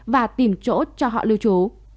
và tìm chỗ cho họ lưu trú